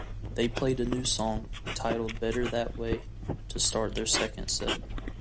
They played a new song, titled "Better That Way", to start their second set.